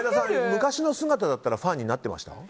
昔の姿だったらファンになってました？